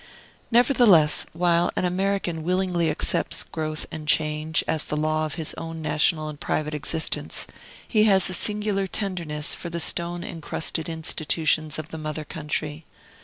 Nevertheless, while an American willingly accepts growth and change as the law of his own national and private existence, he has a singular tenderness for the stone incrusted institutions of the mother country.